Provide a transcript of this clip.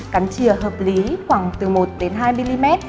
cắn chìa hợp lý khoảng từ một đến hai mm